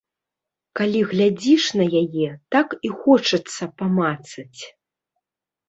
Калі глядзіш на яе, так і хочацца памацаць!